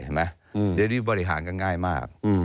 หยุดบริหารก็ง่ายมาก